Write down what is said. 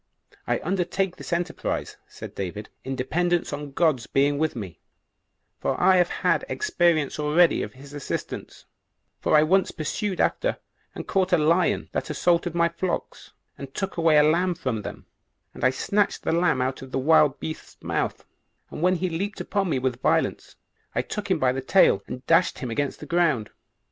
"I undertake this enterprise," said David, "in dependence on God's being with me, for I have had experience already of his assistance; for I once pursued after and caught a lion that assaulted my flocks, and took away a lamb from them; and I snatched the lamb out of the wild beast's mouth, and when he leaped upon me with violence, I took him by the tail, and dashed him against the ground.